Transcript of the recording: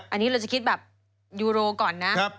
อันนี้เราจะคิดแบบยูโรก่อนนะ